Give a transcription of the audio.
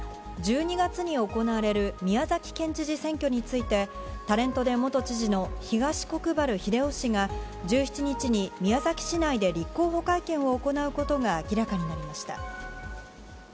１２月に行われる宮崎県知事選挙について、タレントで元知事の東国原英夫氏が１７日に宮崎市内で立候補会見を行うことが明らかになりました。